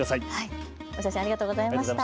お写真ありがとうございました。